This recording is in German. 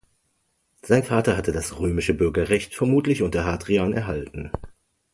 Sein Vater hatte das römische Bürgerrecht vermutlich unter Hadrian erhalten.